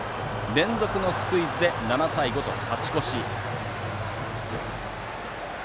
連続のスクイズで７対５と勝ち越し。